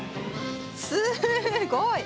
すごい！